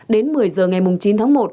đến một mươi h ngày chín tháng một